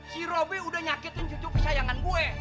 si robe udah nyakitin cucu kesayangan gue